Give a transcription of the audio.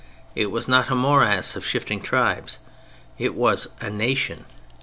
It was not a morass of shifting tribes; it was a nation.